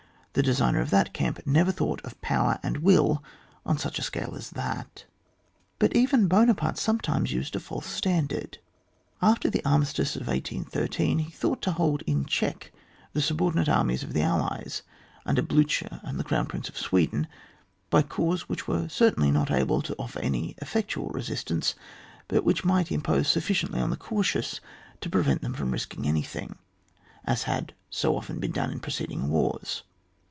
The designer of that camp never thought of power and will on such a sosde as that. But even Buonaparte sometimes used a false standard. After the armistice of 1813 he thought to hold in check the subordinate armies of the allies under BlUcher and the Crown Prince of Sweden by corps which were certainly not able to offer any effectual resistance, but which might impose sufficiently on the cautious to prevent their risking anything, as had so often been done in preceding wars.